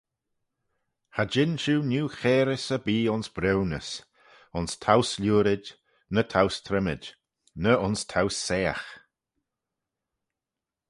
Cha jean shiu neu-chairys erbee ayns briwnys, ayns towse-lhiurid, ny towse-trimmid, ny ayns towse-saagh.